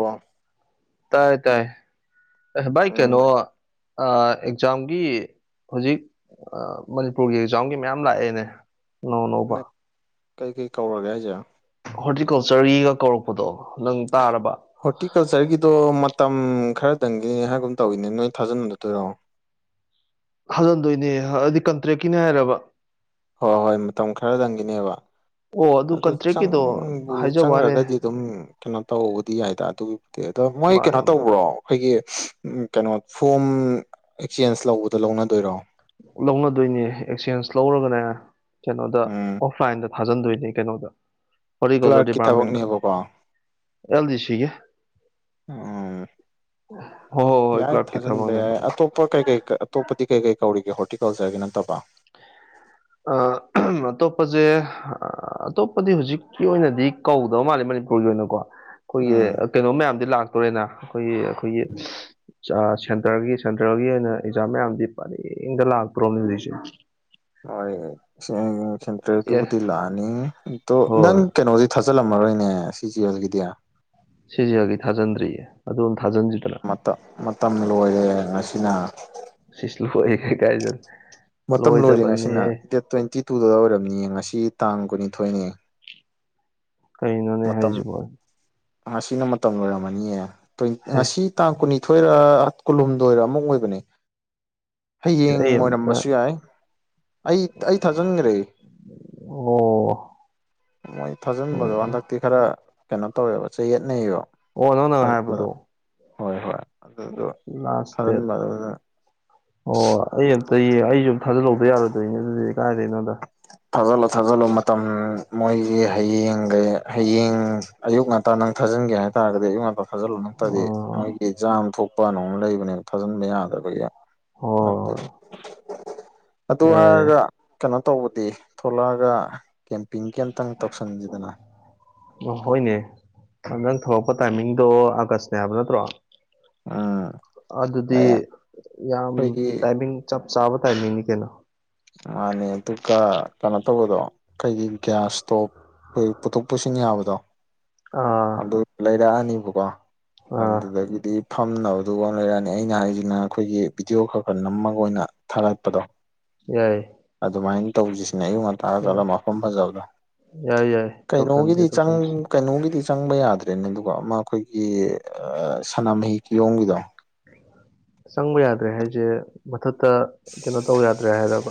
ꯋꯥ ꯇꯥꯏ ꯇꯥꯏ ꯑ ꯚꯥꯏ ꯎꯝ ꯀꯩꯅꯣ ꯑꯦꯛꯖꯥꯝꯒꯤ ꯍꯧꯖꯤꯛ ꯃꯅꯤꯄꯨꯔꯒꯤ ꯑꯦꯛꯖꯥꯝꯒꯤ ꯃꯌꯥꯝ ꯂꯥꯛꯑꯦꯅꯦ ꯅꯧ ꯅꯣꯕ ꯀꯩ ꯀꯩ ꯀꯧꯔꯒꯦ ꯍꯥꯏꯁꯦ ꯍꯣꯔꯇꯤꯀꯜꯆꯔꯒꯤꯒ ꯀꯧꯔꯛꯄꯗꯣ ꯅꯪ ꯇꯥꯔꯕ ꯍꯣꯔꯇꯤꯀꯜꯆꯔꯒꯤꯗꯣ ꯃꯇꯝ ꯈꯔꯗꯪꯒꯤꯅꯦ ꯍꯥꯏꯒꯨꯝ ꯇꯧꯋꯤꯅꯦ ꯅꯣꯏ ꯊꯥꯖꯟꯗꯠꯇꯣꯏꯔꯣ ꯍꯖꯤꯟꯗꯣꯏꯅꯦ ꯍꯥꯏꯗꯤ ꯀꯟꯇ꯭ꯔꯦꯛꯀꯤꯅꯦ ꯍꯥꯏꯔꯕ ꯍꯣꯏ ꯍꯣꯏ ꯃꯇꯝ ꯈꯔꯗꯪꯒꯤꯅꯦꯕ ꯑꯣ ꯑꯗꯨ ꯀꯟꯇ꯭ꯔꯦꯛꯀꯤꯗꯣ ꯆꯪꯕꯨ ꯍꯥꯏꯖꯕ ꯋꯥꯅꯦ ꯆꯪꯈ꯭ꯔꯒꯗꯤ ꯑꯗꯨꯝ ꯀꯩꯅꯣ ꯇꯧꯕꯗꯤ ꯌꯥꯏꯗ ꯑꯗꯨꯒꯤꯕꯨꯗꯤ ꯑꯗꯣ ꯃꯣꯏ ꯃꯥꯅꯦ ꯀꯩꯅꯣ ꯇꯧꯕ꯭ꯔꯣ ꯑꯩꯈꯣꯏꯒꯤ ꯀꯩꯅꯣ ꯐꯣꯝ ꯑꯦꯛꯆꯦꯟꯖ ꯂꯧꯕꯗꯣ ꯂꯧꯅꯗꯣꯏꯔꯣ ꯂꯧꯅꯗꯣꯏꯅꯦ ꯑꯦꯛꯆꯦꯟꯁ ꯂꯧꯔꯒꯅꯦ ꯀꯩꯅꯣꯗ ꯎꯝ ꯑꯣꯐꯂꯥꯏꯟꯗ ꯊꯥꯖꯤꯟꯗꯣꯏꯅꯦ ꯀꯩꯅꯣꯗ ꯍꯣꯔꯤꯀꯣꯆꯔ ꯀ꯭ꯂꯔꯛꯀꯤ ꯗꯤꯄꯥꯔꯃꯦꯟ ꯊꯕꯛꯅꯦꯕꯀꯣ ꯑꯦꯜꯖꯤ ꯁꯤ ꯀ ꯎꯝ ꯍ ꯍ ꯍꯣꯏ ꯀ꯭ꯂꯕꯀꯤꯤ ꯊꯥꯕꯣꯅꯦ ꯑꯄ ꯀꯩ ꯀꯩ ꯑꯇꯣꯞꯄꯗꯤ ꯀꯩ ꯀꯩ ꯀꯧꯔꯤꯒꯦ ꯍꯣꯔꯇꯤꯀꯜꯆꯔꯒꯤ ꯅꯠꯇꯕ ꯑ ꯑꯇꯣꯞꯄꯁꯦ ꯑꯇꯣꯞꯄꯗꯤ ꯍꯧꯖꯤꯛꯀꯤ ꯑꯣꯏꯅꯗꯤ ꯀꯧꯗꯕ ꯃꯥꯜꯂꯦ ꯃꯅꯤꯄꯨꯔꯒꯤ ꯑꯣꯏꯅꯀꯣ ꯑꯩꯈꯣꯏꯒꯤ ꯎꯝ ꯀꯩꯅꯣ ꯃꯌꯥꯝꯗꯤ ꯂꯥꯛꯇꯣꯔꯦꯅ ꯑꯩꯈꯣꯏꯒꯤ ꯑꯩꯈꯣꯏꯒꯤ ꯁꯦꯟꯇꯔꯒꯤ ꯁꯦꯟꯇ꯭ꯔꯦꯜꯒꯤ ꯑꯣꯏꯅ ꯑꯦꯛꯖꯥꯝ ꯃꯌꯥꯝꯗꯤ ꯄꯔꯦꯡꯗ ꯂꯥꯛꯇ꯭ꯔꯣꯅꯦ ꯍꯧꯖꯤꯛꯁꯦ ꯍꯣꯏ ꯑꯦ ꯁꯦꯟꯇ꯭ꯔꯦꯜꯒꯤꯕꯨꯗꯤ ꯂꯥꯛꯑꯅꯤ ꯑꯗꯣ ꯅꯪ ꯍꯣꯏ ꯀꯩꯅꯣꯗꯤ ꯊ ꯐꯠꯆꯜꯂꯝꯃꯔꯣꯏꯅꯦ ꯁꯤꯁꯤ ꯍꯧꯒꯤꯗꯤ ꯁꯤꯁꯤ ꯑꯩꯒꯤ ꯊꯥꯖꯤꯟꯗ꯭ꯔꯤꯌꯦ ꯑꯗꯨꯝ ꯊꯥꯖꯤꯟꯁꯤꯗꯅ ꯃꯇꯝ ꯂꯣꯏꯔꯦ ꯃꯁꯤꯅ ꯁ꯭ꯁꯂꯤꯨ ꯄꯦ ꯀꯥꯏꯖ ꯃꯇꯝ ꯂꯣꯏꯔꯦ ꯉꯁꯤꯅ ꯗꯦꯠ ꯇ꯭ꯋꯦꯟꯇꯤ ꯇꯨꯗ ꯑꯣꯏꯔꯕꯅꯤꯌꯦ ꯉꯁꯤ ꯇꯥꯡ ꯀꯨꯟꯅꯤꯊꯣꯏꯅꯦ ꯀꯩꯅꯣꯅꯦ ꯍꯥꯏꯖꯕꯣ ꯁꯤꯅ ꯃꯇꯝ ꯂꯣꯏꯔꯝꯃꯅꯤꯌꯦ ꯍꯦ ꯉꯁꯤ ꯇꯥꯡ ꯀꯨꯟꯅꯤꯊꯣꯏꯔ ꯀꯨꯟꯍꯨꯝꯗꯣꯏꯔ ꯑꯃꯨꯛ ꯑꯣꯏꯕꯅꯦ ꯍꯌꯦꯌꯦꯡ ꯑꯩ ꯑꯝꯇ ꯑꯣꯏꯔꯝꯕꯁꯨ ꯌꯥꯏ ꯑꯩ ꯑꯩ ꯊꯥꯖꯤꯟꯈ꯭ꯔꯦ ꯑꯣ ꯃꯣꯏ ꯎꯝ ꯊꯥꯖꯤꯟꯕꯗꯣ ꯍꯟꯗꯛꯇꯤ ꯈꯔ ꯀꯩꯅꯣ ꯇꯧꯋꯦꯕ ꯆꯌꯦꯠꯅꯩꯌꯦꯕꯣ ꯑꯣ ꯅꯪ ꯅꯪ ꯍꯥꯏꯕꯗꯣ ꯍꯣꯏ ꯑꯗꯨꯗꯣ ꯂꯁꯇꯦ ꯊꯥꯖꯤꯟꯕ ꯑꯗꯨꯅ ꯑꯣ ꯑꯩ ꯑꯝꯇꯇꯩ ꯑꯩꯁꯨ ꯑꯝ ꯊꯥꯖꯤꯜꯍꯗ ꯌꯥꯔꯗꯣꯏꯅꯦ ꯑꯗꯨꯗꯤ ꯀꯥꯏꯗꯅꯣꯗ ꯊꯥꯖꯤꯜꯂꯨ ꯊꯥꯖꯤꯜꯂꯨ ꯃꯇꯝ ꯃꯣꯏꯁꯤ ꯍꯌꯦꯡꯒꯩ ꯍꯌꯦꯡ ꯑꯌꯨꯛ ꯉꯟ ꯅꯪ ꯊꯥꯟꯒꯦ ꯍꯥꯏꯇꯥꯔꯒꯗꯤ ꯑꯌꯨ ꯉꯟ ꯊꯥꯖꯤꯟꯂꯨ ꯅꯠꯇꯗꯤ ꯑꯣ ꯃꯣꯏꯒꯤ ꯖꯥꯝ ꯊꯣꯛꯄ ꯅꯣꯃ ꯂꯩꯕꯅꯦꯕ ꯊꯥꯖꯤꯟꯕ ꯌꯥꯗ꯭ꯔꯕꯒꯤ ꯍꯣꯏ ꯌꯥꯏ ꯑꯣꯒ ꯇꯧꯕꯗꯤ ꯊꯣꯛꯂꯛꯑꯒ ꯀꯦꯝꯄꯤꯡꯒꯤꯝꯇꯪ ꯇꯧꯁꯟꯁꯤꯗꯅ ꯍꯣꯏꯅꯦ ꯅꯪ ꯊꯂꯛꯄ ꯇꯥꯏꯃꯤꯡꯗꯣ ꯑꯥꯒꯁꯅꯦ ꯍꯥꯏꯕ ꯅꯠꯇ꯭ꯔꯣ ꯎꯝ ꯑꯗꯨꯗꯤ ꯑꯩ ꯌꯥꯝ ꯑꯩꯈꯣꯏꯒꯤ ꯇꯥꯏꯃꯤꯡ ꯆꯞ ꯆꯥꯕ ꯇꯥꯏꯃꯤꯅꯤ ꯀꯩꯅꯣ ꯃꯥꯅꯦ ꯑꯗꯨꯒ ꯀꯩꯅꯣ ꯇꯧꯕꯗꯣ ꯀꯩꯒꯤ ꯒ꯭ꯌꯥꯁ ꯏꯁꯇꯣꯞ ꯑꯩꯈꯣꯏ ꯄꯨꯊꯣꯛ ꯄꯨꯁꯤꯟ ꯌꯥꯕꯗꯣ ꯑꯥ ꯑꯗꯨ ꯂꯩꯔꯛꯑꯅꯤꯕꯀꯣ ꯑꯥ ꯑꯗꯨꯗꯒꯤꯗꯤ ꯐꯝꯅꯕꯗꯨꯒ ꯂꯩꯔꯛꯑꯅꯤ ꯑꯩꯅ ꯍꯥꯏꯁꯤꯅ ꯑꯩꯈꯣꯏꯒꯤ ꯚꯗꯤꯑꯣ ꯈꯔ ꯈꯔ ꯅꯝꯃꯒ ꯑꯣꯏꯅ ꯊꯥꯒꯠꯄꯗꯣ ꯌꯥꯏ ꯑꯗꯨꯃꯥꯏꯅ ꯇꯧꯁꯤꯁꯤꯅꯦ ꯑꯌꯨꯛ ꯉꯟ ꯇꯥ ꯇꯥꯂ ꯌꯥꯏ ꯃꯐꯝ ꯐꯖꯕꯗꯣ ꯌꯥꯏ ꯌꯥꯏ ꯇꯧꯁꯟꯁꯦ ꯀꯩꯅꯣꯒꯤꯗꯤ ꯆꯪ ꯇꯧꯁꯟꯁꯦ ꯀꯩꯅꯣꯒꯤꯗꯤ ꯆꯪꯕ ꯌꯥꯗ꯭ꯔꯦꯅꯦ ꯑꯗꯨꯒ ꯑꯃ ꯑꯩꯈꯣꯏꯒꯤ ꯁꯅꯥꯃꯍꯤ ꯀꯤꯌꯣꯝꯒꯤꯗꯣ ꯆꯪꯕ ꯌꯥꯗ꯭ꯔꯦ ꯍꯥꯏꯁꯦ ꯃꯊꯛꯇ ꯀꯩꯅꯣ ꯇꯧꯕ ꯌꯥꯗ꯭ꯔꯦ ꯍꯥꯏꯔꯕ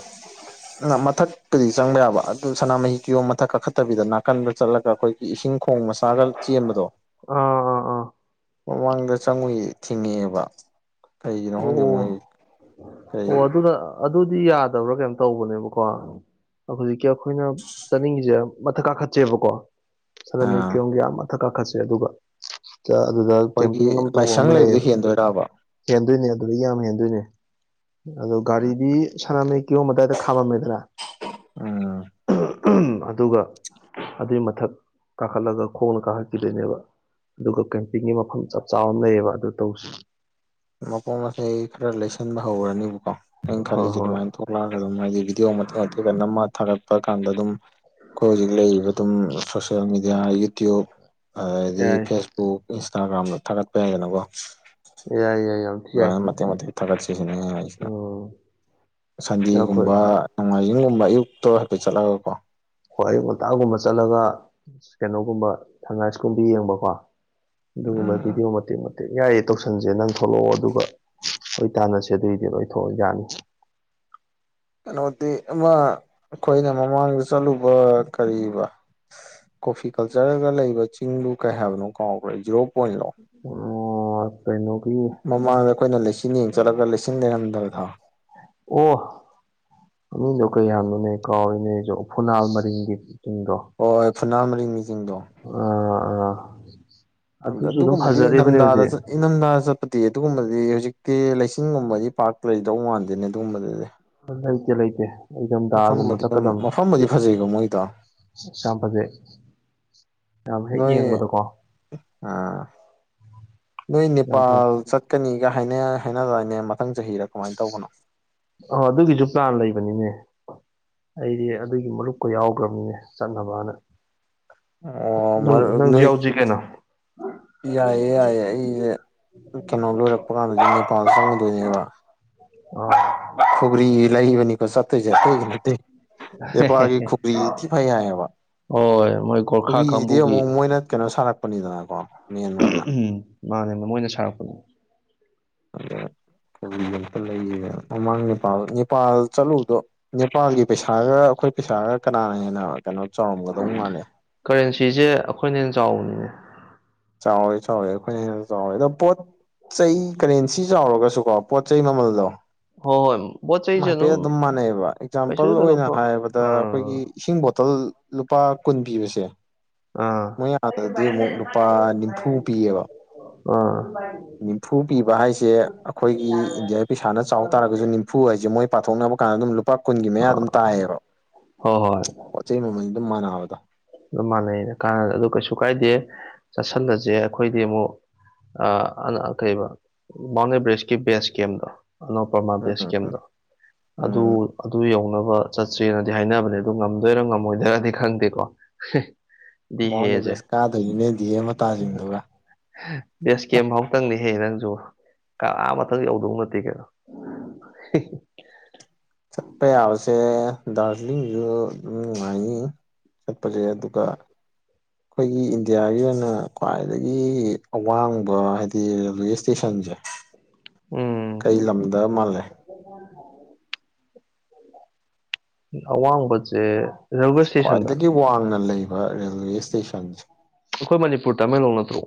ꯃꯊꯛꯄꯨꯗꯤ ꯆꯪꯕ ꯌꯥꯕ ꯑꯗꯨ ꯁꯅꯥꯃꯍꯤ ꯀꯤꯌꯣꯝ ꯃꯊꯛ ꯀꯥꯈꯠꯇꯕꯤꯗ ꯅꯥꯀꯟꯗ ꯆꯠꯂꯒ ꯑꯩꯈꯣꯏ ꯏꯁꯤꯡ ꯈꯣꯡ ꯃꯁꯥꯒ ꯆꯦꯟꯕꯗꯣ ꯑ ꯃꯃꯥꯡꯗ ꯆꯪꯉꯨꯏ ꯊꯤꯡꯉꯛꯑꯦꯕ ꯀꯩꯒꯤꯅꯣ ꯈꯪꯒꯦ ꯑꯣ ꯃꯣꯏ ꯀꯩ ꯑꯣ ꯑꯗꯨꯅ ꯑꯗꯨꯗꯤ ꯌꯥꯗꯕ꯭ꯔꯥ ꯀꯩꯅꯣꯝ ꯇꯧꯕꯅꯦꯕꯀꯣ ꯍꯧꯖꯤꯛꯀꯤ ꯑꯩꯈꯣꯏꯅ ꯆꯠꯅꯤꯡꯉꯤꯁꯦ ꯃꯊꯛ ꯀꯥꯈꯠꯁꯦꯕꯀꯣ ꯁꯅꯥꯃꯍꯤ ꯑꯥ ꯀꯤꯌꯣꯝꯒꯤ ꯑꯥ ꯃꯊꯛ ꯀꯥꯈꯠꯁꯦ ꯑꯗꯨꯒ ꯑꯗꯨꯗ ꯑꯩꯈꯣꯏꯒꯤ ꯀꯦꯝꯄꯤꯡ ꯑꯃ ꯇꯧꯕ ꯑꯃ ꯂꯥꯏꯁꯪ ꯂꯩꯕꯗꯨ ꯂꯩꯌꯦꯕ ꯍꯦꯟꯗꯣꯏꯔꯕ ꯍꯦꯟꯗꯣꯏꯅꯦ ꯑꯗꯨꯗꯒꯤ ꯌꯥꯝ ꯍꯦꯟꯗꯣꯏꯅꯦ ꯑꯗꯣ ꯒꯥꯔꯤꯗꯤ ꯁꯅꯥꯃꯍꯤ ꯀꯤꯌꯣꯝꯗꯥꯏꯗ ꯈꯥꯝꯃꯝꯃꯦꯗꯅ ꯎꯝ ꯑꯗꯨꯒ ꯑꯗꯨꯏ ꯃꯊꯛ ꯀꯥꯈꯠꯂꯒ ꯈꯣꯡꯅ ꯀꯥꯈꯠꯈꯤꯗꯣꯏꯅꯦꯕ ꯑꯗꯨꯒ ꯄꯤꯛꯅꯤꯛ ꯃꯐꯝ ꯆꯞ ꯆꯥꯕ ꯑꯃꯥ ꯂꯩꯌꯦꯕ ꯑꯗꯨ ꯇꯧꯁꯤ ꯃꯄꯣ ꯃꯁꯩ ꯈꯔ ꯂꯩꯁꯟꯕ ꯍꯧꯔꯅꯤꯕꯀꯣ ꯑꯩꯅ ꯍꯣꯏ ꯈꯜꯂꯤꯁꯦ ꯍꯣꯏ ꯑꯗꯨꯃꯥꯏꯅ ꯊꯣꯛꯂꯛꯑꯒ ꯑꯗꯨꯝ ꯍꯥꯏꯗꯤ ꯚꯤꯗꯤꯑꯣ ꯃꯇꯦꯛ ꯃꯇꯦꯛꯀ ꯅꯝꯃꯒ ꯊꯥꯒꯠꯄ ꯀꯥꯟꯗ ꯑꯗꯨꯝ ꯑꯩꯈꯣꯏ ꯍꯧꯖꯤꯛ ꯂꯩꯔꯤꯕ ꯑꯗꯨꯝ ꯁꯣꯁꯦꯜ ꯃꯦꯗꯤꯌꯥ ꯌꯨꯇ꯭ꯨꯕ ꯑꯗꯤ ꯌꯥꯏ ꯐꯦꯁꯕꯨ ꯕꯨꯛ ꯏꯟꯁꯇꯥꯒ꯭ꯔꯥꯝꯗ ꯊꯥꯒꯠꯄ ꯌꯥꯏꯗꯅꯀꯣ ꯌꯥꯏ ꯌꯥꯏ ꯌꯥꯝ ꯊꯤ ꯌꯥꯏ ꯑꯗꯨꯃꯥꯏꯅ ꯃꯇꯦꯛ ꯃꯇꯦꯛ ꯊꯥꯒꯠꯁꯤꯁꯤꯅ ꯑꯩꯅꯥ ꯍꯥꯏꯁꯤꯅ ꯎꯝ ꯑꯩꯈꯣꯏ ꯁꯟꯗꯦꯒꯨꯝꯕ ꯅꯣꯡꯃꯥꯏꯖꯤꯡꯒꯨꯝꯕ ꯑꯌꯨꯛꯇ ꯍꯥꯏꯐꯦꯠ ꯆꯠꯂꯒꯀꯣ ꯍꯣꯏ ꯑꯌꯨꯛ ꯉꯟꯇꯥꯒꯨꯝꯕ ꯆꯠꯂꯒ ꯀꯩꯅꯣꯒꯨꯝꯕ ꯁꯟꯔꯥꯏꯁꯀꯨꯝꯕ ꯌꯦꯡꯕꯀꯣ ꯑꯗꯨꯒꯨꯝꯕ ꯎꯝ ꯚꯗꯤꯑꯣ ꯃꯇꯦꯛ ꯃꯇꯦꯛ ꯌꯥꯏꯌꯦ ꯇꯧꯁꯟꯁꯦ ꯅꯪ ꯊꯣꯛꯂꯛꯑꯣ ꯑꯗꯨꯒ ꯍꯣꯏ ꯇꯥꯟꯅꯁꯦ ꯑꯗꯨꯏꯗꯤꯕ ꯑꯣꯏ ꯊꯣꯛꯑ ꯌꯥꯅꯤ ꯀꯩꯅꯣꯗꯤ ꯑꯃ ꯑꯩꯈꯣꯏꯅ ꯃꯃꯥꯡꯗ ꯆꯠꯂꯨꯕ ꯀꯔꯤꯕ ꯀꯣꯐꯤ ꯀꯜꯆꯔꯒ ꯂꯩꯕ ꯆꯤꯡꯗꯨ ꯀꯩ ꯍꯥꯏꯕꯅꯣ ꯀꯥꯎꯕ꯭ꯔꯦ ꯖꯤꯔꯣ ꯄꯣꯏꯟ ꯂꯣ ꯑꯣ ꯀꯩꯅꯣꯒꯤ ꯃꯃꯥꯡꯗ ꯑꯩꯈꯣꯏꯅ ꯂꯩꯆꯤꯜ ꯌꯦꯡ ꯆꯠꯂꯒ ꯂꯩꯆꯤꯜ ꯂꯩꯔꯝꯗꯕꯗꯣ ꯑꯣ ꯃꯤꯗꯣ ꯀꯩ ꯍꯥꯏꯕ ꯅꯣꯅꯦ ꯀꯥꯎꯔꯦꯅꯦ ꯑꯩꯁꯨ ꯐꯨꯅꯥꯜ ꯃꯔꯤꯡꯒꯤ ꯆꯤꯡꯗꯣ ꯍꯣꯏ ꯍꯣꯏ ꯐꯨꯅꯥꯜ ꯃꯔꯤꯡꯒꯤ ꯁꯤꯡꯤꯡꯗꯣ ꯑꯥ ꯑꯥ ꯑꯗꯨꯁꯨ ꯑꯗꯨꯝ ꯐꯖꯔꯤꯕꯅꯦ ꯍꯧꯖꯤꯛ ꯏꯅꯝꯊꯥꯗ ꯆꯠꯄꯗꯤ ꯑꯗꯨꯒꯨꯝꯕꯗꯤ ꯍꯧꯖꯤꯛꯇꯤ ꯂꯩꯁꯤꯡꯤꯟꯒꯨꯝꯕꯗꯤ ꯄꯥꯔꯛ ꯂꯩꯗꯧ ꯃꯥꯟꯗꯦꯅꯦ ꯑꯗꯨꯒꯨꯝꯕꯗꯗꯤ ꯂꯩꯇꯦ ꯂꯩꯇꯦ ꯏꯊꯝꯊꯥꯒꯨꯝꯕ ꯑꯗꯨꯝ ꯆꯠꯀꯗꯝꯅꯤ ꯃꯐꯝꯕꯨꯗꯤ ꯐꯖꯩꯀꯣ ꯃꯣꯏꯗꯣ ꯌꯥꯝ ꯐꯖꯩ ꯌꯥꯝ ꯍꯦꯛ ꯅꯣꯏ ꯌꯦꯡꯕꯗꯀꯣ ꯑꯥ ꯅꯣꯏ ꯌꯥꯝ ꯐꯔꯦ ꯅꯦꯄꯥꯜ ꯆꯠꯀꯅꯤꯒ ꯍꯥꯏꯅ ꯍꯥꯏꯅꯗꯥꯅꯦ ꯃꯊꯪ ꯆꯍꯤꯔ ꯀꯃꯥꯏꯅ ꯇꯧꯕꯅꯣ ꯑꫭ ꯑꯗꯨꯒꯤꯁꯨ ꯄ꯭ꯂꯥꯟ ꯂꯩꯕꯅꯤꯅꯦ ꯑꯩꯗꯤ ꯑꯗꯨꯒꯤ ꯃꯔꯨꯞꯀ ꯌꯥꯎꯈ꯭ꯔꯕꯅꯤꯅꯦ ꯆꯠꯅꯕꯅ ꯑꯣ ꯅꯪ ꯃꯔꯨꯞ ꯅꯪꯁꯨ ꯅꯣꯏ ꯌꯥꯎꯁꯤ ꯀꯩꯅꯣ ꯌꯥꯏꯌꯦ ꯌꯥꯏꯌꯦ ꯑꯩꯁꯦ ꯀꯩꯅꯣ ꯂꯣꯏꯔꯛꯄ ꯀꯥꯟꯗꯁꯨ ꯅꯦꯄꯥꯜ [inaudible] ꯑꯥ ꯈꯨꯒꯔꯤ ꯂꯩꯕꯅꯤ ꯀꯣ ꯆꯠꯇꯨꯏꯁꯦ ꯑꯇꯩꯒꯤ ꯅꯠꯇꯦ ꯅꯦꯄꯥꯜꯒꯤ ꯈꯨꯒꯔꯤ ꯊꯥ ꯐꯩ ꯍꯥꯏꯌꯦꯕ ꯍꯣꯏ ꯃꯣꯏ ꯒꯣꯔꯈꯥ ꯈꯨꯒꯔꯤꯗꯤ ꯑꯃꯨꯛ ꯀꯥꯡꯕꯨꯒꯤ ꯃꯣꯏꯅ ꯀꯩꯅꯣ ꯁꯥꯔꯛꯄꯅꯤꯗꯅꯀꯣ ꯃꯦꯟ ꯑꯣꯏꯅ ꯎꯝ ꯃꯥꯅꯦ ꯃꯣꯏꯅ ꯁꯥꯔꯛꯄꯅꯦ ꯑꯗꯥ ꯈꯨꯒꯔꯤ ꯑꯝꯇꯥ ꯂꯩꯒꯦꯅ ꯃꯃꯥꯡ ꯅꯦꯄꯥꯜ ꯅꯦꯄꯥꯜ ꯆꯠꯂꯨꯗꯣ ꯅꯦꯄꯥꯜꯒꯤ ꯄꯩꯁꯥꯒ ꯑꯩꯈꯣꯏ ꯄꯩꯁꯥꯒ ꯀꯅꯥꯅ ꯍꯦꯟꯅ ꯀꯩꯅꯣ ꯆꯥꯎꯔꯝꯒꯗꯧ ꯃꯥꯜꯂꯤ ꯀꯔꯦꯟꯁꯤꯁꯦ ꯑꯩꯈꯣꯏꯅ ꯍꯦꯟꯅ ꯆꯥꯎꯕꯅꯤꯅꯦ ꯆꯥꯎꯋꯦ ꯆꯥꯎꯋꯦ ꯑꯩꯈꯣꯏꯅ ꯍꯦꯟꯅꯥ ꯆꯥꯎꯋꯦ ꯑꯗꯣ ꯄꯣꯠ ꯆꯩ ꯀꯔꯦꯟꯁꯤ ꯆꯥꯎꯔꯒꯁꯨ ꯀꯣ ꯄꯣꯠ ꯆꯩ ꯃꯃꯜꯗꯣ ꯍꯣꯏ ꯍꯣꯏ ꯄꯣꯠ ꯆꯩꯁꯦ ꯍꯥꯏꯐꯦꯠ ꯑꯗꯨꯝ ꯃꯥꯟꯅꯩꯑꯕ ꯑꯦꯛꯖꯥꯝꯄꯜ ꯀꯩꯁꯨ ꯑꯣꯏꯅ ꯊꯣꯏꯗꯣꯛꯄ ꯍꯥꯏꯔꯕꯗ ꯑꯥ ꯑꯩꯈꯣꯏꯒꯤ ꯏꯁꯤꯡ ꯕꯣꯇꯜ ꯂꯨꯄꯥ ꯀꯨꯟ ꯄꯤꯕꯁꯦ ꯑꯥ ꯃꯣꯏ ꯑꯥꯗꯗꯤ ꯑꯃꯨꯛ ꯂꯨ ꯄꯥ ꯅꯤꯝꯐꯨ ꯄꯤꯌꯦꯕ ꯑꯥ ꯅꯤꯝꯐꯨ ꯄꯤꯕ ꯍꯥꯏꯁꯦ ꯑꯩꯈꯣꯏꯒꯤ ꯏꯟꯗꯤꯌꯥꯒꯤ ꯄꯩꯁꯥꯅ ꯆꯥꯎ ꯇꯥꯔꯒꯁꯨ ꯅꯤꯝ ꯐꯨ ꯍꯥꯏꯁꯦ ꯃꯣꯏ ꯄꯥꯊꯣꯛꯅꯕ ꯀꯥꯟꯗ ꯑꯗꯨꯝ ꯂꯨꯄꯥ ꯀꯨꯟꯒꯤ ꯃꯌꯥ ꯑꯗꯨꯝ ꯇꯥꯏꯌꯦꯕ ꯍꯣꯏ ꯍꯣꯏ ꯄꯣꯠ ꯆꯩ ꯃꯃꯜ ꯑꯗꯨꯝ ꯃꯥꯟꯅꯕꯗꫭ ꯑꯗꯨꯝ ꯃꯥꯟꯅꯩꯗ ꯀꯥꯟꯅ ꯑꯗꯨ ꯀꯩꯁꯨ ꯀꯥꯏꯗꯦ ꯆꯥꯁꯤꯜꯂꯁꯦ ꯑꯩꯈꯣꯏꯗꯤ ꯑꯃꯨꯛ ꯑ ꯀꯩꯕ ꯃꯥꯎꯟ ꯑꯦꯕꯔꯦꯁꯀꯤ ꯕꯦꯁ ꯒꯦꯝꯗꯣ ꯑꯅꯣ ꯄ꯭ꯔꯃꯥ ꯎꯝ ꯕꯦꯁ ꯎꯝ ꯎꯝ ꯀꯦꯝꯗꯣ ꯑꯗꯨ ꯎꯝ ꯑꯗꯨ ꯌꯧꯅꯕ ꯆꯠꯁꯦꯅꯗꯤ ꯍꯥꯏꯅꯕꯅꯦ ꯑꯗꯨ ꯉꯝꯗꯣꯏꯔ ꯉꯝꯃꯣꯏꯗꯣꯏꯔꯗꯤ ꯈꯪꯗꯦꯀꯣ ꯗꯤ ꯃꯥꯎꯟ ꯑꯦꯕꯔꯦꯁ ꯍꯦꯁꯦ ꯀꯥꯗꯣꯏꯅꯤꯅꯦ ꯗꯤꯍꯦ ꯃꯇꯥꯁꯤꯡꯗꯨꯒ ꯕꯦꯁ ꯀꯦꯝ ꯐꯥꯎꯇꯪꯅꯦꯍꯦ ꯅꯪꯁꯨ ꯑꯥ ꯑꯊꯥꯛ ꯌꯧꯗꯧ ꯅꯠꯇꯦ ꯀꯩꯅꯣ [inaudible] ꯆꯠꯄ ꯌꯥꯕꯁꯦ ꯗꯥꯔꯖꯤꯂꯤꯡꯁꯨ ꯑꯗꯨꯝ ꯅꯨꯡꯉꯥꯏꯅꯤ ꯆꯠꯄꯁꯦ ꯑꯗꯨꯒ ꯑꯩꯈꯣꯏꯒꯤ ꯏꯟꯗꯤꯌꯥꯒꯤ ꯑꯣꯏꯅ ꯈ꯭ꯋꯥꯏꯗꯒꯤ ꯑꯋꯥꯡꯕ ꯍꯥꯏꯗꯤ ꯔꯦꯜꯋꯦ ꯏꯁꯇꯦꯁꯟꯁꯦ ꯀꯩ ꯎꯝ ꯂꯝꯗ ꯃꯥꯜꯂꯤ ꯑꯋꯥꯡꯕꯁꯦ ꯔꯦꯜꯋꯦ ꯏꯁꯇꯦꯁꯟꯗ ꯈ꯭ꯋꯥꯏꯗꯒꯤ ꯋꯥꯡꯅ ꯂꯩꯕ ꯔꯦꯜꯋꯦ ꯏꯁꯇꯦꯁꯟꯁꯦ ꯑꯩꯈꯣꯏ ꯃꯅꯤꯄꯨꯔ ꯇꯃꯦꯡꯂꯣꯡ ꯅꯠꯇ꯭ꯔꯣ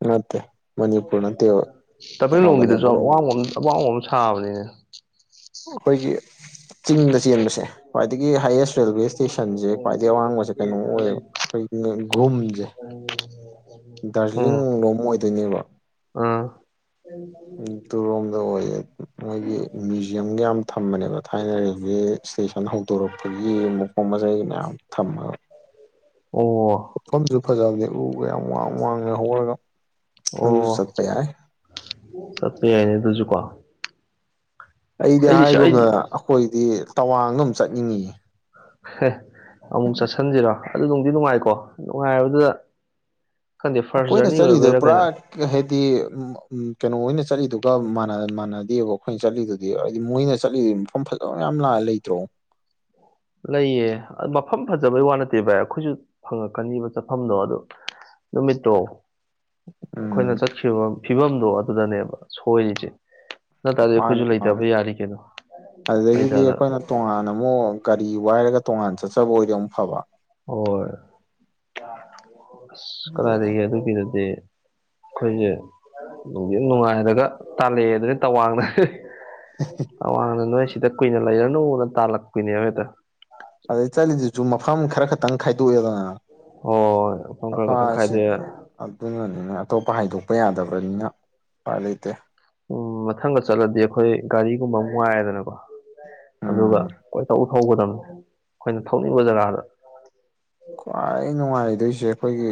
ꯅꯠꯇꯦ ꯃꯅꯤꯄꯨꯔ ꯅꯠꯇꯦꯕ ꯀꯩꯅꯣꯗꯅꯦ ꯇꯃꯦꯡꯂꯣꯡꯒꯤꯗꯁꯨ ꯑꯋꯥꯡꯕ ꯑꯃ ꯑꯋꯥꯡꯕ ꯑꯃ ꯁꯥꯕꯅꯤꯅꯦ ꯑꯩꯈꯣꯏꯒꯤ ꯆꯤꯡꯗ ꯆꯦꯟꯕꯁꯦ ꯈ꯭ꯋꯥꯏꯗꯒꯤ ꯍꯥꯏꯌꯦꯁ ꯔꯦꯜꯋꯦ ꯏꯁꯇꯦꯁꯟꯁꯦ ꯈ꯭ꯋꯥꯏꯗꯒꯤ ꯑꯋꯥꯡꯕꯁꯦ ꯀꯩꯅꯣ ꯑꯣꯏꯌꯦꯕ ꯑꯩꯈꯣꯏ ꯅꯦꯒꯨꯝꯖꯦ [inaudible] ꯎꯝ ꯗꯥꯔꯖꯤꯂꯤꯡ ꯂꯣꯝ ꯑꯣꯏꯗꯣꯏꯅꯦꯕ ꯑꯥ [unintelligible] ꯗꯨꯔꯣꯝꯗ ꯑꯣꯏꯌꯦ ꯃꯣꯏꯒꯤ ꯃꯨꯏ ꯖꯤꯌꯝꯒ ꯌꯥꯝ ꯊꯝꯕꯅꯦꯕ ꯊꯥꯏꯅꯗꯒꯤ ꯔꯦꯜꯋꯦ ꯏꯁꯇꯦꯁꯟ ꯍꯧꯗꯣꯔꯛꯄꯒꯤ ꯃꯄꯣꯠ ꯃꯆꯩ ꯃꯌꯥꯝ ꯊꯝꯃꯒ ꯑꯣ ꯃꯐꯝꯁꯨ ꯐꯖꯕꯅꯦ ꯎꯒ ꯌꯥꯝ ꯋꯥꯡ ꯋꯥꯡꯅ ꯍꯧꯔꯒ ꯑꯣ ꯑꯗꯨꯁꯨ ꯆꯠꯄ ꯌꯥꯏ ꯆꯠꯄ ꯌꯥꯏꯅꯦ ꯑꯗꯨꯁꯨꯀꯣ ꯑꯩꯗꯤ ꯍꯥꯏꯒꯨꯝꯅ ꯑꯩꯈꯣꯏꯗꯤ ꯇꯋꯥꯡꯗ ꯆꯠꯅꯤꯡꯉ ꯍꯦ ꯑꯃꯨꯛ ꯆꯠꯁꯤꯟꯁꯤꯔꯣ ꯑꯗꯨꯝ ꯅꯨꯡꯗꯤ ꯅꯨꯡꯉꯥꯏꯀꯣ ꯅꯨꯡꯉꯥꯏꯔꯕꯗꯨꯗ ꯈꯪꯗꯦ ꯐꯥꯔꯁ ꯑꯩꯈꯣꯏꯅ ꯖꯔꯅꯤ ꯆꯠꯂꯤꯗꯣ ꯑꯣꯏꯕꯩꯏꯔꯥ ꯀꯩꯅꯣ ꯄꯨꯔꯥ ꯍꯥꯏꯗꯤ ꯀꯩꯅꯣ ꯍꯣꯏꯅ ꯆꯠꯂꯤꯗꯨꯒ ꯃꯥꯟꯅꯗꯦꯕ ꯑꯩꯈꯣꯏꯅ ꯆꯠꯂꯤꯗꯨ ꯍꯥꯏꯗꯤ ꯃꯣꯏꯅ ꯆꯠꯂꯤꯁꯤ ꯃꯐꯝ ꯐꯖꯕ ꯃꯌꯥꯝ ꯂꯥꯛꯑ ꯂꯩꯇ꯭ꯔꯣ ꯂꯩꯌꯦ ꯃꯐꯝ ꯐꯖꯕꯩ ꯋꯥ ꯅꯠꯇꯦ ꯚꯥꯏ ꯑꯩꯈꯣꯏꯁꯨ ꯐꯪꯉꯛꯀꯅꯤꯕ ꯆꯠꯐꯝꯗꯣ ꯑꯗꯣ ꯅꯨꯃꯤꯠꯇꯣ ꯑꯩꯈꯣꯏꯅ ꯎꯝ ꯆꯠꯈꯤꯕ ꯐꯤꯕꯝꯗꯣ ꯑꯗꯨꯗꯅꯦꯕ ꯁꯣꯏꯔꯤꯁꯦ ꯅꯠꯇ꯭ꯔꯗꯤ ꯃꯥꯅꯤ ꯑꯩꯈꯣꯏꯁꯨ ꯃꯥꯅꯤ ꯂꯩꯇꯕ ꯌꯥꯔꯤ ꯀꯩꯅꯣ ꯑꯗꯨꯗꯒꯤꯗꯤ ꯂꯩꯇꯅ ꯑꯩꯈꯣꯏꯅ ꯇꯣꯉꯥꯟꯅ ꯑꯃꯨꯛ ꯀꯔꯤ ꯋꯥꯏꯔꯒ ꯇꯣꯉꯥꯟ ꯆꯠꯆꯕ ꯑꯣꯏꯔꯗꯤ ꯑꯃꯨꯛ ꯐꯕ ꯍ‌ꯣꯏ ꯑꯗꯨꯅꯦ ꯀꯗꯥꯏꯗꯒꯦ ꯑꯗꯨꯒꯤꯗꯗꯤ ꯑꯩꯈꯣꯏꯁꯦ ꯅꯨꯡ ꯅꯨꯡꯉꯥꯏꯔꯒ ꯇꯥꯜꯂꯛꯑꯦ ꯑꯗꯨꯅ ꯇꯋꯥꯡꯅ ꯑꯋꯥꯡꯅ ꯅꯣꯏ ꯁꯤꯗ ꯀꯨꯏꯅ ꯂꯩꯔꯅꯨꯅ ꯇꯥꯜꯂꯛꯄꯣꯏꯅꯦꯕ ꯍ‌ꯦꯛꯇ ꯑꯗꯩ ꯆꯠꯂꯤꯗꯨꯁꯨ ꯃꯐꯝ ꯈꯔ ꯈꯛꯇꯪ ꯈꯥꯏꯗꯣꯛꯑꯦꯗꯅ ꯍꯣꯏꯣ ꯃꯐꯝ ꯈꯔ ꯈꯛꯇꯪ ꯑꯁꯤ ꯈꯥꯏꯗ‌ꯣꯛꯑ‌ꯦ ꯑꯗꯨꯅꯅꯤꯅ ꯑꯇꯣꯞꯄ ꯍꯥꯏꯗꯣꯛꯄ ꯌꯥꯗꯕ꯭ꯔꯅꯤꯅ ꯎꯄꯥꯏ ꯂꯩꯇꯦ ꯎꯝ ꯃꯊꯪꯒ ꯆꯠꯂꯗꯤ ꯑꯩꯈꯣꯏ ꯒꯥꯔꯤꯒꯨꯝꯕ ꯑꯃ ꯋꯥꯏꯔꯦꯗꯅꯀꯣ ꯎꯝ ꯑꯗꯨꯒ ꯀꯣꯏꯊ ꯊꯧꯒꯗꯕꯅꯦ ꯑꯩꯈꯣꯏꯅ ꯊꯧꯅꯤꯡꯕ ꯖꯒꯥꯗ ꯈ꯭ꯋꯥꯏ ꯅꯨꯡꯉꯥꯏꯗꯣꯏꯁꯦ ꯑꯩꯈꯣꯏꯒꯤ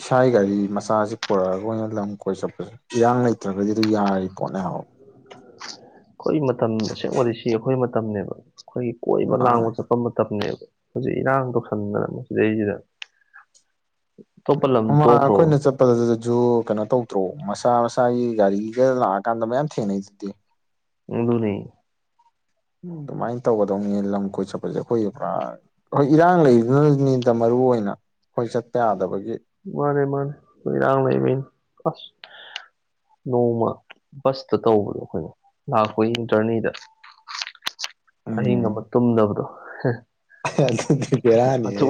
ꯏꯁꯥꯒꯤ ꯒꯥꯔꯤ ꯃꯆꯥꯁꯤ ꯄꯨꯔꯛꯑꯒ ꯑꯣꯏꯅ ꯂꯝ ꯀꯣꯏ ꯆꯠꯄꯁꯦ ꯏꯤꯔꯥꯡ ꯂꯩꯇ꯭ꯔꯒꯗꯤ ꯑꯗꯨ ꯌꯥꯔꯤ ꯄꯣꯠꯅꯦ ꯍꯥꯏ ꯑꯩꯈꯣꯏ ꯃꯇꯝ ꯑꯁꯦꯡꯕꯗꯤ ꯁꯤ ꯑꯩꯈꯣꯏ ꯃꯇꯝꯅꯤꯅꯦꯕ ꯑꯩꯈꯣꯏꯒꯤ ꯀꯣꯏꯕ ꯃꯥꯅꯦ ꯂꯥꯡꯕ ꯆꯠꯄ ꯃꯇꯝꯅꯦꯕ ꯍꯧꯖꯤꯛ ꯏꯔꯥꯡ ꯇꯧꯁꯟꯗꯅ ꯃꯁꯤꯗꯩꯁꯤꯗ ꯑꯇꯣꯞꯄ ꯂꯝ ꯃꯃꯥꯡ ꯇꯣꯛꯈ꯭ꯔꯣ ꯑꯩꯈꯣꯏꯅ ꯆꯠ ꯆꯄꯜꯗꯨꯗꯁꯨ ꯀꯩꯅꯣ ꯇꯧꯗ꯭ꯔꯣ ꯃꯁꯥ ꯃꯁꯥꯒꯤ ꯒꯥꯔꯤꯒ ꯂꯥꯛꯑꯀꯥꯟꯗ ꯃꯌꯥꯝ ꯊꯦꯡꯅꯩꯗꯨꯗꯤ ꯎꯝ ꯑꯗꯨꯅꯤ ꯑꯗꯨꯃꯥꯏꯅ ꯇꯧꯒꯗꯧꯅꯤ ꯂꯝ ꯀꯣꯏ ꯆꯠꯄꯁꯦ ꯑꯩꯈꯣꯏꯒꯤ ꯄꯨꯔꯥ ꯍꯣꯏ ꯏꯔꯥꯡ ꯂꯩꯗꯨꯅꯅꯤꯗ ꯃꯔꯨꯏ ꯑꯣꯏꯅ ꯑꯩꯈꯣꯏ ꯆꯠꯄ ꯌꯥꯗꯕꯒꯤ ꯃꯥꯅꯦ ꯃꯥꯅꯦ ꯏꯔꯥꯡ ꯂꯩꯕꯩꯅꯤ ꯑꯁ ꯅꯣꯡꯃ ꯕꯁꯇ ꯇꯧꯕꯗꯣ ꯑꯩꯈꯣꯏꯅ ꯂꯥꯛꯄ ꯖꯔꯅꯤꯗ ꯎꯝ ꯑꯍꯤꯡꯑꯃ ꯇꯨꯝꯗꯕꯗ‌ꯣ ꯑꯗꯨꯗꯤ ꯕꯦꯔꯥꯅꯤꯍꯦ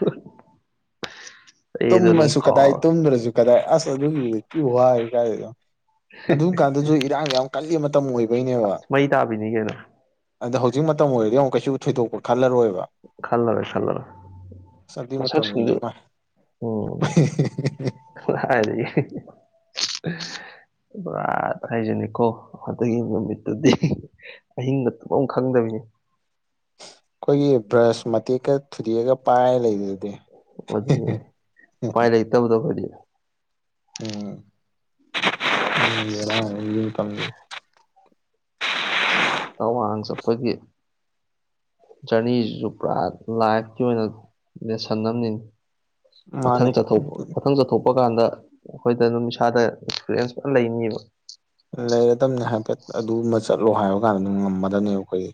[unintelligible] ꯑꯗꯨꯝ ꯇꯨꯝꯃꯁꯨꯨ ꯀꯗꯥꯏ ꯀꯥꯎꯔ ꯇꯨꯝꯗ꯭ꯔꯁꯨꯨ ꯀꯗꯥꯏ ꯑꯁ ꯑꯗꯨꯒꯤ ꯍꯧꯖꯤꯤ ꯋꯥ ꯀꯗꯣ ꯑꯗꯨꯝ ꯀꯥꯟꯗꯁꯨ ꯏꯔꯥꯡ ꯌꯥꯝ ꯀꯜꯂꯤ ꯃꯇꯝ ꯑꯣꯏꯕꯩꯅꯦꯕ ꯑꯁ ꯃꯩ ꯇꯥꯕꯤꯅꯤ ꯀꯩꯅꯣ ꯑꯗꯣ ꯍꯧꯖꯤꯛ ꯃꯇꯝ ꯑꯣꯏꯔꯗꯤ ꯑꯃꯨꯛ ꯀꯩꯁꯨ ꯊꯣꯏꯗꯣꯛꯄ ꯈꯜꯂꯔꯣꯏꯕ ꯈꯜꯂꯔ‌ꯣꯏ ꯈꯜꯂꯔ‌ꯣꯏ ꯑꯁ ꯑꯗꯨꯏ ꯃꯇꯝꯗꯤ ꯃꯁꯛꯁꯤꯡꯗꯨ ꯏꯃꯥꯏ ꯎꯝ ꯀꯗꯥꯏꯗꯒꯤ ꯄꯨꯔꯥ ꯍꯥꯏꯖꯅꯤꯀꯣ ꯑꯗꯨꯒꯤ ꯅꯨꯃꯤꯠꯇꯨꯗꯤ ꯑꯍꯤꯡꯒ ꯇꯨꯝꯕꯝ ꯈꯪꯗꯕꯤꯅꯤ ꯑꯩꯈꯣꯏꯒꯤ ꯕ꯭ꯔꯁ ꯃꯇꯦꯛꯀ ꯊꯨꯗꯤꯦꯛꯑꯒ ꯄꯥꯏꯔ ꯂꯩꯕ ꯑꯗꯨꯅꯦ ꯄꯥꯏ ꯂꯩꯇꯕꯗꯣ ꯈ‌ꯣꯏꯗꯤ ꯑꯁ [unintelligible] ꯇꯥꯋꯥꯡ ꯆꯠꯄꯒꯤ ꯖꯔꯅꯤꯖꯤꯖꯨ ꯄꯨꯔꯥ ꯂꯥꯏꯐꯀꯤ ꯑꯣꯏꯅ ꯂꯦꯁꯟꯑꯝꯅꯤꯅꯦ ꯃꯊꯪ ꯃꯥꯅꯦ ꯆꯠꯊꯣꯛꯄ ꯃꯊꯪ ꯆꯠꯊꯣꯛꯄ ꯀꯥꯟꯗ ꯑꯩꯈꯣꯏꯗ ꯑꯗꯨꯝ ꯏꯁꯥꯗ ꯑꯦꯛꯁꯄꯤꯔꯤꯌꯦꯟꯁ ꯐꯥꯅ ꯂꯩꯅꯤꯕ ꯂꯩꯔꯗꯝꯅꯤ ꯍꯥꯏꯐꯦꯠ ꯑꯗꯨꯃ ꯆꯠꯂꯣ ꯍꯥꯏꯕ ꯀꯥꯟꯗ ꯑꯗꯨꯝ ꯉꯝꯃꯗꯕꯅꯦꯕ ꯑꯩꯈꯣꯏ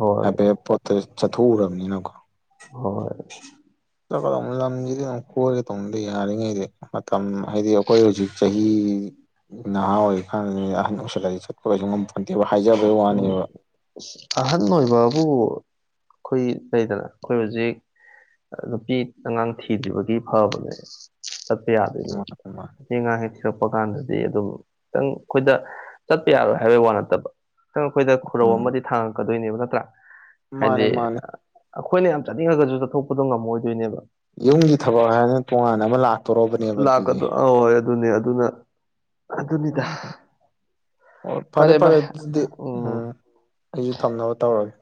ꯍꯣꯏ ꯍꯥꯏꯐꯦꯠ ꯄꯣꯠꯇ ꯆꯠꯊꯣꯛꯎꯔꯕꯅꯤꯅꯀꯣ ꯍꯣꯏ ꯆꯠꯀꯗꯧꯅꯤ ꯂꯝꯖꯤꯗꯤ ꯑꯗꯨꯝ ꯀꯣꯏꯒꯗꯧꯅꯤ ꯌꯥꯔꯤꯉꯩꯗꯤ ꯃꯇꯝ ꯍꯥꯏꯗꯤ ꯑꯩꯈꯣꯏ ꯍꯧꯖꯤꯛ ꯆꯍꯤ ꯅꯍꯥ ꯑꯣꯏ ꯑꯍꯟ ꯑꯣꯏꯁꯜꯂꯔꯤ ꯆꯠꯄ ꯀꯩꯁꯨ ꯉꯝꯄꯣꯟꯇꯦꯕ ꯍꯥꯏꯖꯕꯒꯤ ꯎꯝ ꯋꯥꯅꯦꯕ ꯑꯍꯟ ꯑꯣꯏꯕꯕꯨ ꯑꯩꯈꯣꯏ ꯂꯩꯗꯅ ꯑꯩꯈꯣꯏ ꯍꯧꯖꯤꯛ ꯅꯨꯄꯤ ꯑꯉꯥꯡ ꯊꯤꯗ꯭ꯔꯤꯕꯒꯤ ꯐꯕꯅꯦ ꯆꯠꯄ ꯌꯥꯗꯣꯏꯅꯦ ꯅꯨꯄꯤ ꯉꯥꯡ ꯍꯦꯛ ꯊꯤꯔꯛꯄ ꯀꯥꯟꯗꯗꯤ ꯑꯗꯨꯝ ꯈꯤꯇꯪ ꯑꯩꯈꯣꯏꯗ ꯆꯠꯄ ꯌꯥꯔꯣꯏ ꯍꯥꯏꯕꯩ ꯋꯥ ꯅꯠꯇꯕ ꯈꯤꯇꯪ ꯑꯩꯈꯣꯏꯗ ꯈꯨꯔꯧ ꯎꯝ ꯑꯃꯗꯤ ꯊꯥꯡꯉꯛꯀꯗꯣꯏꯅꯦꯕ ꯅꯠꯇ꯭ꯔꯥ ꯍꯥꯏꯗꯤ ꯃꯥꯅꯦ ꯃꯥꯅꯦ ꯑꯩꯈꯣꯏꯅ ꯌꯥꯝ ꯆꯥꯅꯤꯡꯉꯒꯁꯨ ꯆꯠꯊꯣꯛꯄꯗꯣ ꯉꯝꯃꯣꯏꯗꯣꯏꯅꯦꯕ ꯌꯨꯝꯒꯤ ꯊꯕꯛ ꯍꯥꯏꯔꯅ ꯇꯣꯉꯥꯟꯅ ꯑꯃ ꯂꯥꯛꯇꯧꯔꯕꯅꯦꯕ ꯂꯀꯗꯣ ꯑꯍꯣꯏ ꯑꯗꯨꯅꯦ ꯑꯗꯨꯅ ꯑꯗꯨꯅꯤꯗ ꯎꯝ ꯑꯣ ꯐꯔꯦ ꯐꯔꯦ ꯑꯗꯨꯗꯤ ꯎꯝ ꯑꯩꯖꯨ ꯊꯝꯅꯕ ꯇꯧꯔꯒꯦ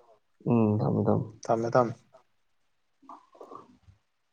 ꯎꯝ ꯊꯝꯃꯣ ꯊꯝꯃꯣ ꯊꯝꯃꯦ ꯊꯝꯃꯦ